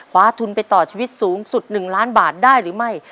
ทุนไปต่อชีวิตสูงสุด๑ล้านบาทได้หรือไม่